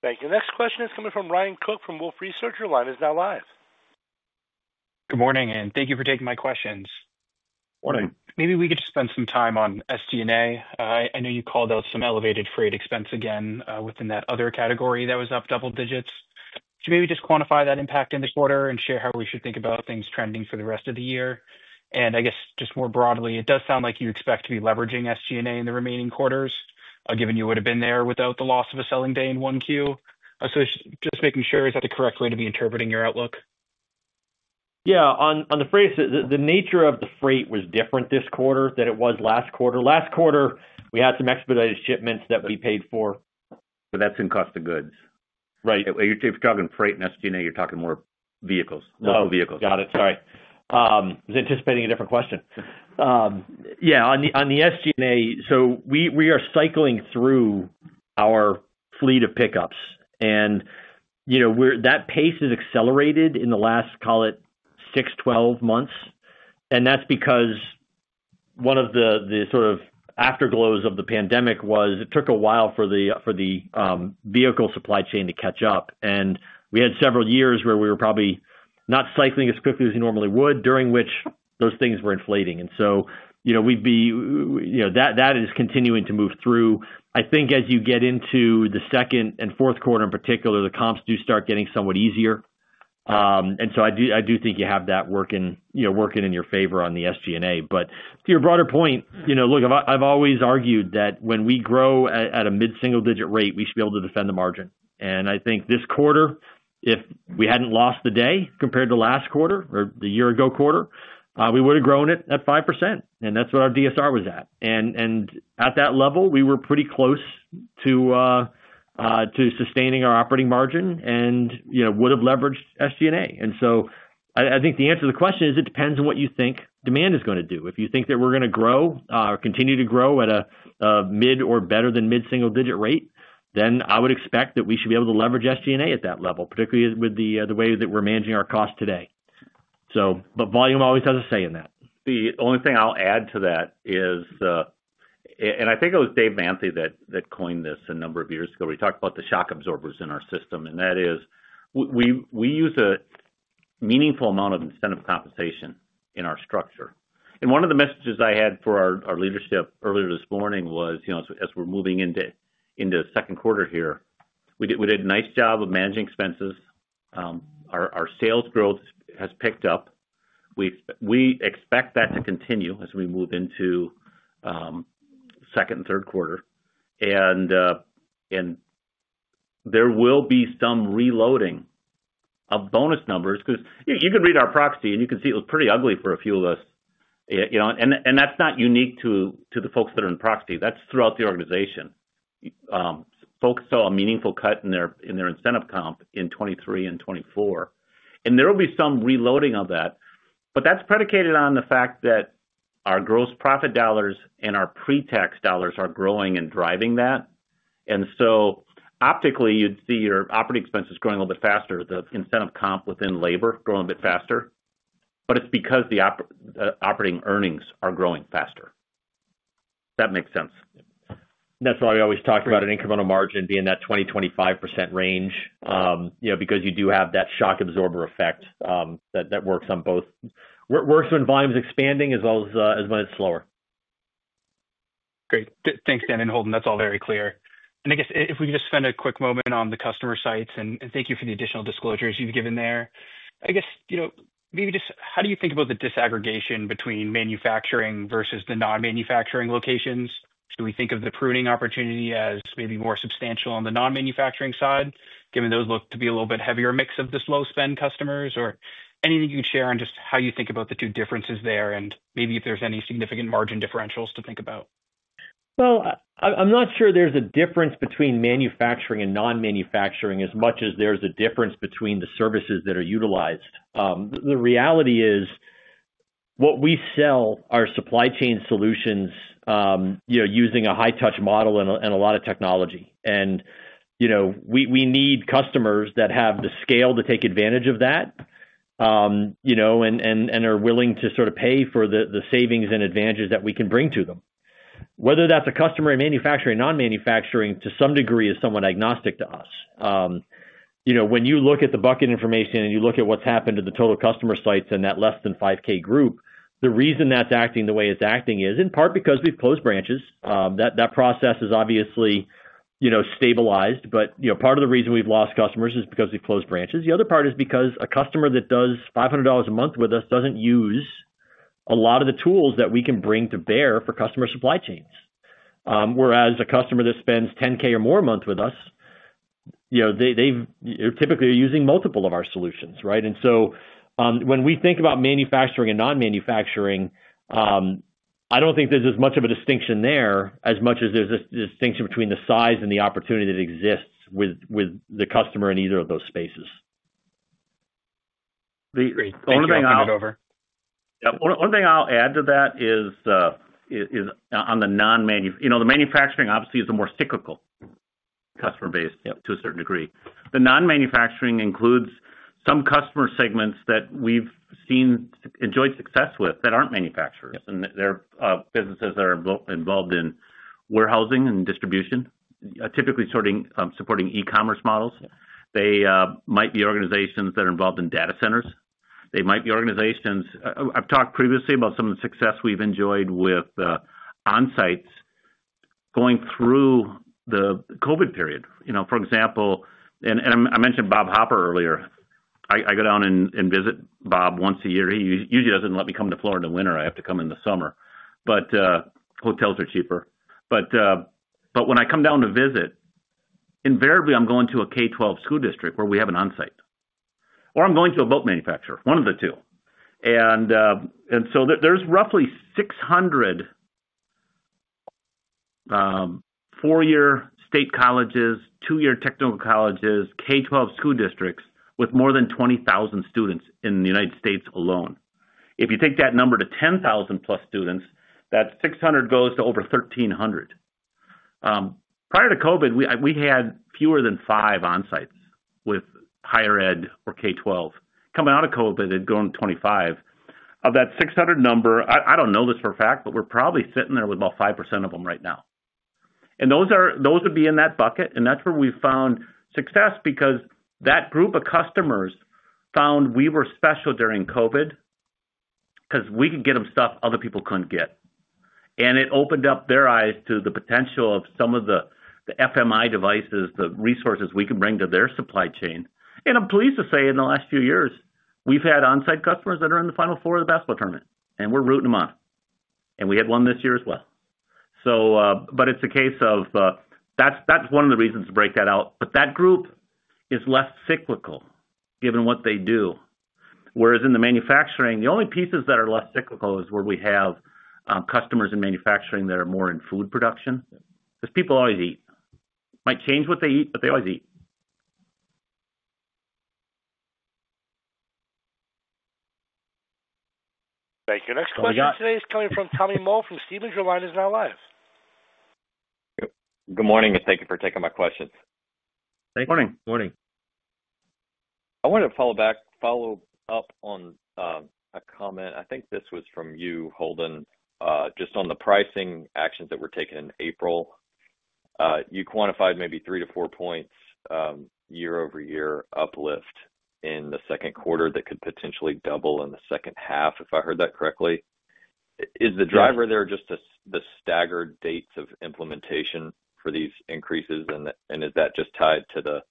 A: Thank you. Next question is coming from Ryan Cook from Wolfe Research. Your line is now live.
G: Good morning, and thank you for taking my questions. Morning. Maybe we could just spend some time on SG&A. I know you called out some elevated freight expense again within that other category that was up double digits. Could you maybe just quantify that impact in the quarter and share how we should think about things trending for the rest of the year? I guess just more broadly, it does sound like you expect to be leveraging SG&A in the remaining quarters, given you would have been there without the loss of a selling day in one queue. Just making sure, is that the correct way to be interpreting your outlook?
C: Yeah. On the freight, the nature of the freight was different this quarter than it was last quarter. Last quarter, we had some expedited shipments that we paid for. That is in cost of goods. Right. If you are talking freight and SG&A, you are talking more vehicles, local vehicles. Got it. Sorry.
D: I was anticipating a different question. Yeah. On the SG&A, we are cycling through our fleet of pickups. That pace has accelerated in the last, call it, 6-12 months. That is because one of the sort of afterglows of the pandemic was it took a while for the vehicle supply chain to catch up. We had several years where we were probably not cycling as quickly as we normally would, during which those things were inflating. That is continuing to move through. I think as you get into the second and fourth quarter, in particular, the comps do start getting somewhat easier. I do think you have that working in your favor on the SG&A. To your broader point, look, I've always argued that when we grow at a mid-single-digit rate, we should be able to defend the margin. I think this quarter, if we hadn't lost the day compared to last quarter or the year-ago quarter, we would have grown at 5%. That's what our DSR was at. At that level, we were pretty close to sustaining our operating margin and would have leveraged SG&A. I think the answer to the question is it depends on what you think demand is going to do. If you think that we're going to grow or continue to grow at a mid or better than mid-single-digit rate, then I would expect that we should be able to leverage SG&A at that level, particularly with the way that we're managing our costs today. Volume always has a say in that.
C: The only thing I'll add to that is, I think it was David Manfey that coined this a number of years ago. We talked about the shock absorbers in our system. That is, we use a meaningful amount of incentive compensation in our structure. One of the messages I had for our leadership earlier this morning was, as we're moving into second quarter here, we did a nice job of managing expenses. Our sales growth has picked up. We expect that to continue as we move into second and third quarter. There will be some reloading of bonus numbers because you can read our proxy, and you can see it was pretty ugly for a few of us. That is not unique to the folks that are in proxy. That is throughout the organization. Folks saw a meaningful cut in their incentive comp in 2023 and 2024. There will be some reloading of that. That is predicated on the fact that our gross profit dollars and our pre-tax dollars are growing and driving that. Optically, you would see your operating expenses growing a little bit faster, the incentive comp within labor growing a bit faster. It is because the operating earnings are growing faster.
D: That makes sense. That is why we always talk about an incremental margin being that 20-25% range because you do have that shock absorber effect that works on both. We're seeing volumes expanding as well as when it's slower.
G: Great. Thanks, Dan and Holden. That's all very clear. I guess if we could just spend a quick moment on the customer sites and thank you for the additional disclosures you've given there. I guess maybe just how do you think about the disaggregation between manufacturing versus the non-manufacturing locations? Should we think of the pruning opportunity as maybe more substantial on the non-manufacturing side, given those look to be a little bit heavier mix of the slow-spend customers? Or anything you could share on just how you think about the two differences there and maybe if there's any significant margin differentials to think about?
D: I'm not sure there's a difference between manufacturing and non-manufacturing as much as there's a difference between the services that are utilized. The reality is what we sell are supply chain solutions using a high-touch model and a lot of technology. We need customers that have the scale to take advantage of that and are willing to sort of pay for the savings and advantages that we can bring to them. Whether that's a customer in manufacturing or non-manufacturing, to some degree, is somewhat agnostic to us. When you look at the bucket information and you look at what's happened to the total customer sites and that less-than-5K group, the reason that's acting the way it's acting is in part because we've closed branches. That process is obviously stabilized. Part of the reason we've lost customers is because we've closed branches. The other part is because a customer that does $500 a month with us doesn't use a lot of the tools that we can bring to bear for customer supply chains. Whereas a customer that spends $10,000 or more a month with us, they typically are using multiple of our solutions, right? When we think about manufacturing and non-manufacturing, I don't think there's as much of a distinction there as much as there's a distinction between the size and the opportunity that exists with the customer in either of those spaces.
C: The only thing I'll add over. Yeah. One thing I'll add to that is on the non-manufacturing, the manufacturing obviously is a more cyclical customer base to a certain degree. The non-manufacturing includes some customer segments that we've enjoyed success with that aren't manufacturers. They're businesses that are involved in warehousing and distribution, typically supporting e-commerce models. They might be organizations that are involved in data centers. They might be organizations I've talked previously about some of the success we've enjoyed with on-sites going through the COVID period. For example, I mentioned Bob Hopper earlier. I go down and visit Bob once a year. He usually doesn't let me come to Florida in the winter. I have to come in the summer. Hotels are cheaper. When I come down to visit, invariably, I'm going to a K-12 school district where we have an on-site. Or I'm going to a boat manufacturer, one of the two. There's roughly 600 four-year state colleges, two-year technical colleges, K-12 school districts with more than 20,000 students in the United States alone. If you take that number to 10,000 plus students, that 600 goes to over 1,300. Prior to COVID, we had fewer than five on-sites with higher ed or K-12. Coming out of COVID, it had grown to 25. Of that 600 number, I do not know this for a fact, but we are probably sitting there with about 5% of them right now. Those would be in that bucket. That is where we found success because that group of customers found we were special during COVID because we could get them stuff other people could not get. It opened up their eyes to the potential of some of the FMI devices, the resources we can bring to their supply chain. I am pleased to say in the last few years, we have had on-site customers that are in the Final Four of the basketball tournament. We are rooting them on. We had one this year as well. It is a case of that is one of the reasons to break that out. That group is less cyclical given what they do. Whereas in the manufacturing, the only pieces that are less cyclical is where we have customers in manufacturing that are more in food production because people always eat. Might change what they eat, but they always eat.
A: Thank you. Next question today is coming from Tommy Moore from Stephens. Your line is now live.
H: Good morning. Thank you for taking my questions. Hey. Morning. Morning. I wanted to follow up on a comment. I think this was from you, Holden, just on the pricing actions that were taken in April. You quantified maybe three to four points year-over-year uplift in the second quarter that could potentially double in the second half, if I heard that correctly. Is the driver there just the staggered dates of implementation for these increases? Is that just tied to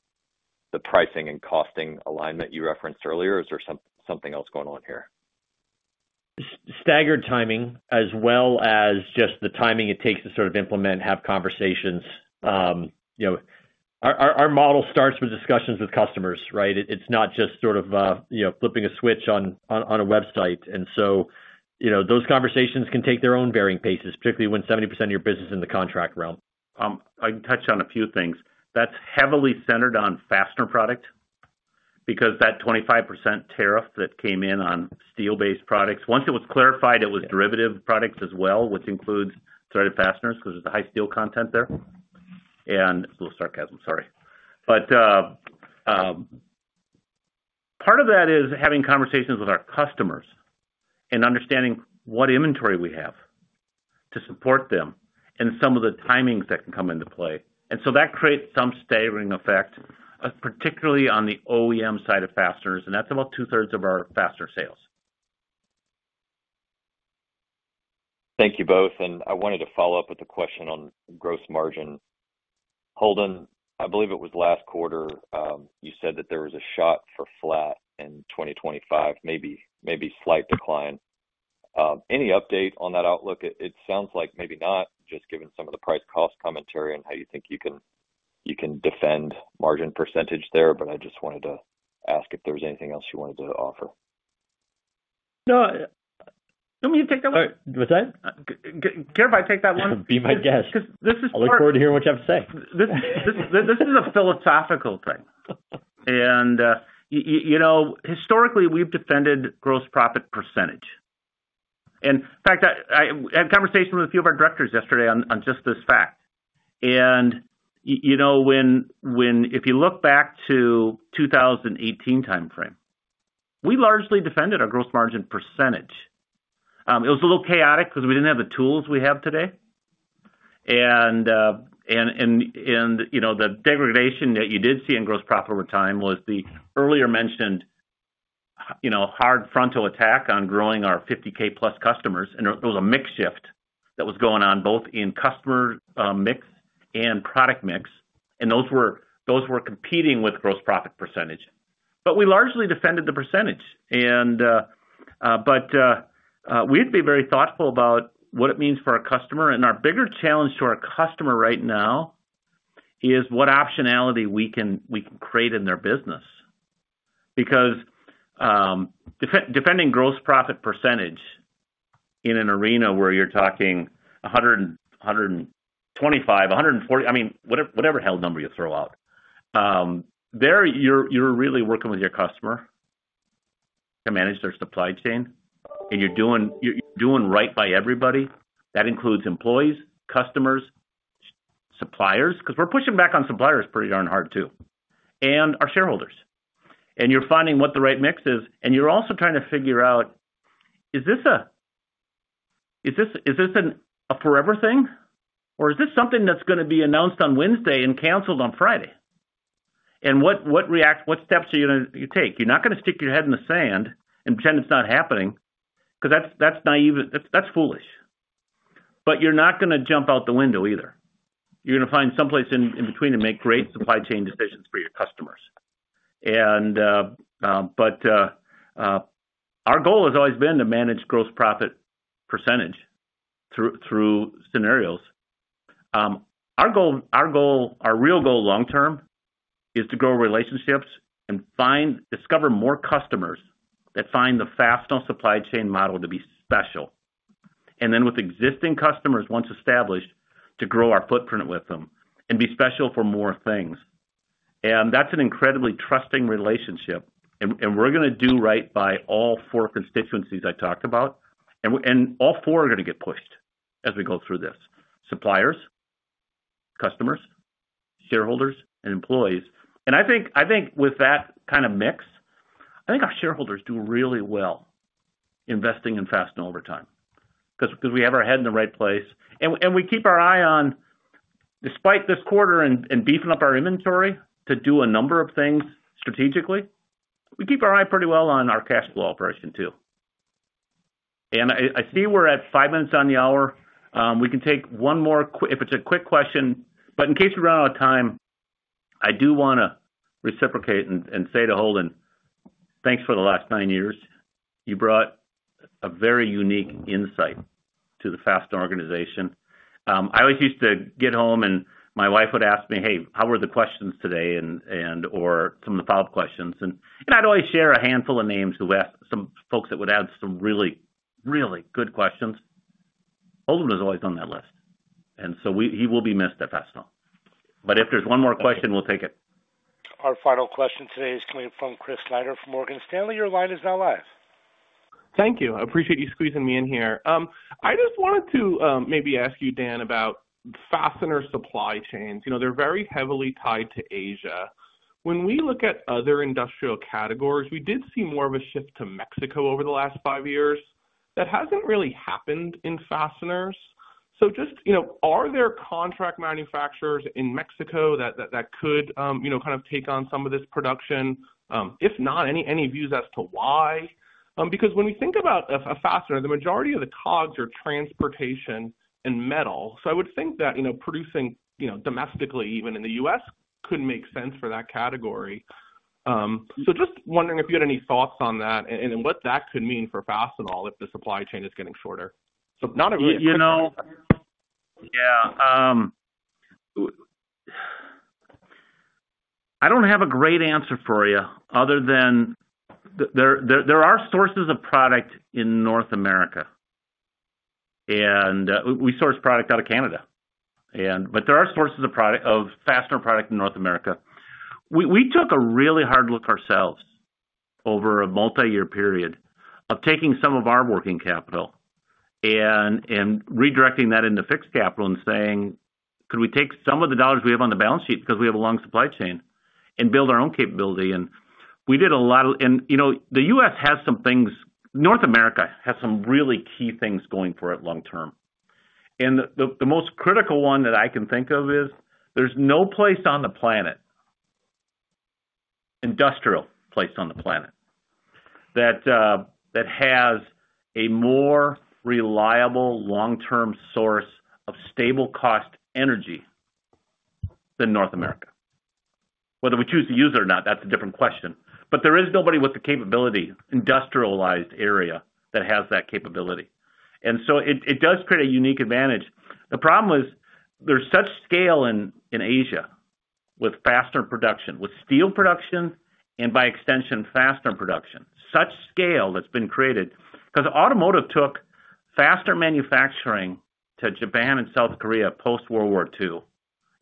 H: the pricing and costing alignment you referenced earlier? Is there something else going on here?
D: Staggered timing as well as just the timing it takes to sort of implement, have conversations. Our model starts with discussions with customers, right? It's not just sort of flipping a switch on a website. Those conversations can take their own varying paces, particularly when 70% of your business is in the contract realm.
C: I can touch on a few things. That's heavily centered on fastener product because that 25% tariff that came in on steel-based products, once it was clarified, it was derivative products as well, which includes threaded fasteners because there's a high steel content there. And a little sarcasm, sorry. Part of that is having conversations with our customers and understanding what inventory we have to support them and some of the timings that can come into play. That creates some staggering effect, particularly on the OEM side of fasteners. That is about two-thirds of our fastener sales.
H: Thank you both. I wanted to follow up with a question on gross margin. Holden, I believe it was last quarter, you said that there was a shot for flat in 2025, maybe slight decline. Any update on that outlook? It sounds like maybe not, just given some of the price-cost commentary and how you think you can defend margin percentage there. I just wanted to ask if there is anything else you wanted to offer. No.
C: Let me take that one. What's that? Care if I take that one? Be my guest. I look forward to hearing what you have to say. This is a philosophical thing. Historically, we've defended gross profit percentage. In fact, I had a conversation with a few of our directors yesterday on just this fact. If you look back to the 2018 timeframe, we largely defended our gross margin percentage. It was a little chaotic because we didn't have the tools we have today. The degradation that you did see in gross profit over time was the earlier mentioned hard frontal attack on growing our $50,000-plus customers. It was a mix shift that was going on both in customer mix and product mix. Those were competing with gross profit percentage. We largely defended the percentage. We have to be very thoughtful about what it means for our customer. Our bigger challenge to our customer right now is what optionality we can create in their business. Because defending gross profit percentage in an arena where you're talking 125, 140, I mean, whatever hell number you throw out, there you're really working with your customer to manage their supply chain. You're doing right by everybody. That includes employees, customers, suppliers, because we're pushing back on suppliers pretty darn hard too, and our shareholders. You're finding what the right mix is. You're also trying to figure out, is this a forever thing? Or is this something that's going to be announced on Wednesday and canceled on Friday? What steps are you going to take? You're not going to stick your head in the sand and pretend it's not happening because that's foolish. You're not going to jump out the window either. You're going to find someplace in between and make great supply chain decisions for your customers. Our goal has always been to manage gross profit percentage through scenarios. Our real goal long-term is to grow relationships and discover more customers that find the fastener supply chain model to be special. With existing customers once established, to grow our footprint with them and be special for more things. That is an incredibly trusting relationship. We're going to do right by all four constituencies I talked about. All four are going to get pushed as we go through this: suppliers, customers, shareholders, and employees. I think with that kind of mix, I think our shareholders do really well investing in fastener over time because we have our head in the right place. We keep our eye on, despite this quarter and beefing up our inventory to do a number of things strategically, we keep our eye pretty well on our cash flow operation too. I see we're at five minutes on the hour. We can take one more if it's a quick question. In case we run out of time, I do want to reciprocate and say to Holden, thanks for the last nine years. You brought a very unique insight to the Fastenal organization. I always used to get home and my wife would ask me, "Hey, how were the questions today?" or some of the follow-up questions. I'd always share a handful of names who asked, some folks that would add some really, really good questions. Holden has always been on that list. He will be missed at Fastenal. If there's one more question, we'll take it.
A: Our final question today is coming from Chris Snyder from Morgan Stanley. Your line is now live.
I: Thank you. I appreciate you squeezing me in here. I just wanted to maybe ask you, Dan, about fastener supply chains. They're very heavily tied to Asia. When we look at other industrial categories, we did see more of a shift to Mexico over the last five years. That hasn't really happened in fasteners. Just are there contract manufacturers in Mexico that could kind of take on some of this production? If not, any views as to why? Because when we think about a fastener, the majority of the cogs are transportation and metal. I would think that producing domestically, even in the U.S., could make sense for that category. Just wondering if you had any thoughts on that and what that could mean for fastener if the supply chain is getting shorter. Not a great question.
D: I do not have a great answer for you other than there are sources of product in North America. We source product out of Canada. There are sources of fastener product in North America. We took a really hard look ourselves over a multi-year period of taking some of our working capital and redirecting that into fixed capital and saying, "Could we take some of the dollars we have on the balance sheet because we have a long supply chain and build our own capability?" We did a lot of, and the U.S. has some things, North America has some really key things going for it long-term. The most critical one that I can think of is there's no place on the planet, industrial place on the planet, that has a more reliable long-term source of stable-cost energy than North America. Whether we choose to use it or not, that's a different question. There is nobody with the capability, industrialized area that has that capability. It does create a unique advantage. The problem is there's such scale in Asia with fastener production, with steel production, and by extension, fastener production. Such scale that's been created because automotive took fastener manufacturing to Japan and South Korea post-World War II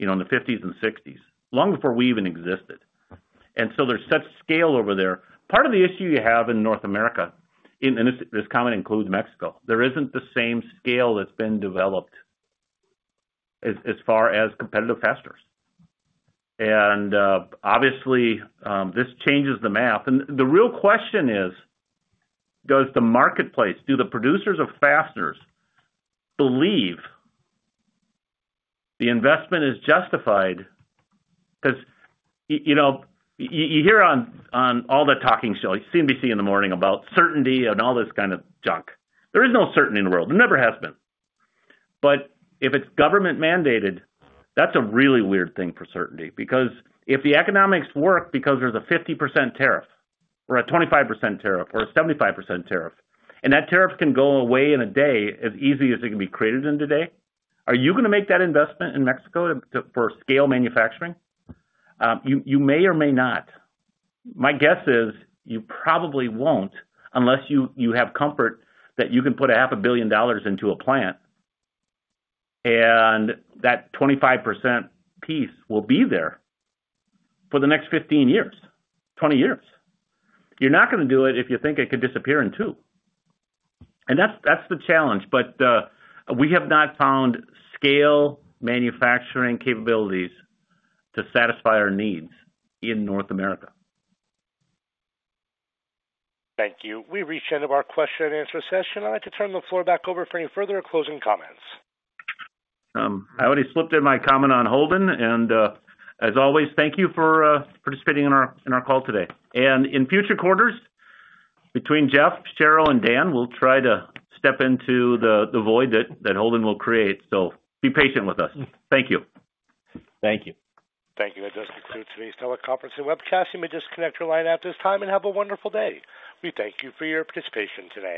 D: in the 1950s and 1960s, long before we even existed. There is such scale over there. Part of the issue you have in North America, and this comment includes Mexico, there isn't the same scale that's been developed as far as competitive fasteners. Obviously, this changes the map. The real question is, does the marketplace, do the producers of fasteners believe the investment is justified? Because you hear on all the talking shows, CNBC in the morning about certainty and all this kind of junk. There is no certainty in the world. There never has been. If it is government-mandated, that is a really weird thing for certainty because if the economics work because there is a 50% tariff or a 25% tariff or a 75% tariff, and that tariff can go away in a day as easy as it can be created in a day, are you going to make that investment in Mexico for scale manufacturing? You may or may not. My guess is you probably will not unless you have comfort that you can put $500,000,000 into a plant and that 25% piece will be there for the next 15 years, 20 years. You are not going to do it if you think it could disappear in two. That is the challenge. We have not found scale manufacturing capabilities to satisfy our needs in North America.
A: Thank you. We reached the end of our question-and-answer session. I would like to turn the floor back over for any further closing comments.
C: I already slipped in my comment on Holden. As always, thank you for participating in our call today. In future quarters, between Jeff, Sheryl, and Dan, we will try to step into the void that Holden will create. Be patient with us. Thank you. Thank you.
A: Thank you. That does conclude today's teleconference and webcast.
C: You may disconnect your line at this time and have a wonderful day. We thank you for your participation today.